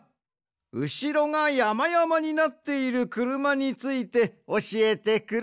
うしろがやまやまになっているくるまについておしえてくれ。